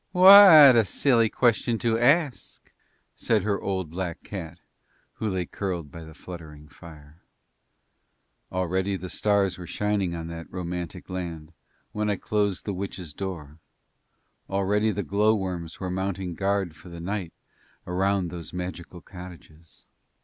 "What a silly question to ask," said her old black cat who lay curled by the fluttering fire. Already the stars were shining on that romantic land when I closed the witch's door; already the glow worms were mounting guard for the night around those magical cottages.